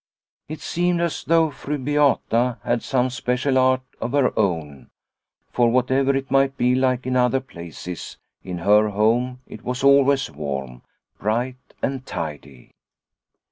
It seemed as though Fru Beata had some special art of her own, for whatever it might be like in other places, in her home it was always warm, bright, and tidy.